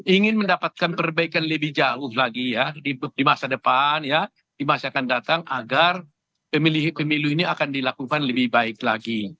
ingin mendapatkan perbaikan lebih jauh lagi ya di masa depan ya di masa akan datang agar pemilih pemilu ini akan dilakukan lebih baik lagi